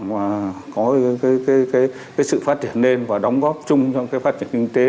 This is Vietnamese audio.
và có sự phát triển lên và đóng góp chung cho phát triển kinh tế